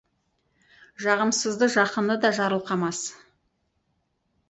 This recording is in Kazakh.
Жағымсызды жақыны да жарылқамас.